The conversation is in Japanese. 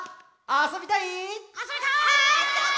あそびたい！